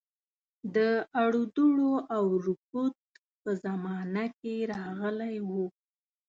د اړودوړ او رکود په زمانه کې راغلی وو.